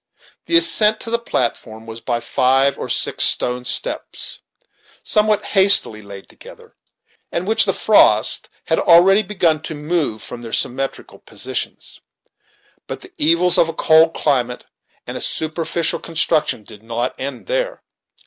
The ascent to the platform was by five or six stone steps, somewhat hastily laid together, and which the frost had already begun to move from their symmetrical positions, But the evils of a cold climate and a superficial construction did not end here.